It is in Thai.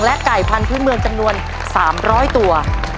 และไก่พันธุ์พื้นเมืองจำนวน๓๐๐ตัว